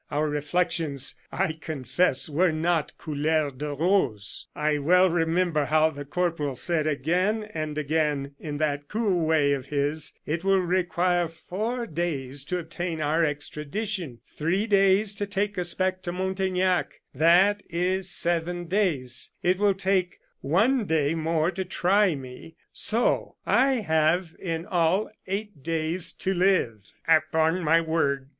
Our reflections, I confess, were not couleur de rose. "I well remember how the corporal said again and again, in that cool way of his: 'It will require four days to obtain our extradition, three days to take us back to Montaignac that is seven days; it will take one day more to try me; so I have in all eight days to live.'" "Upon my word!